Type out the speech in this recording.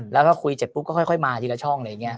แล้วก็คุยเสร็จปุ๊บก็ค่อยมาทีละช่องอะไรอย่างนี้